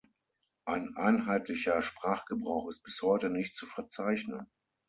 Ein einheitlicher Sprachgebrauch ist bis heute nicht zu verzeichnen.